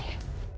aku akan mencoba